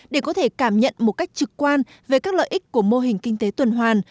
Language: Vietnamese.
để có thể cảm nhận một cách trực quan về các lợi ích của mô hình kinh tế tuần hoàn